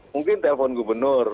mungkin telepon gubernur